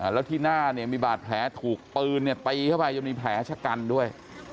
แล้วที่หน้าเนี่ยมีบาดแผลถูกปืนตีเข้าไปจนมีแผลชะกันด้วย